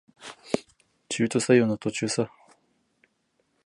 中途採用の途中さ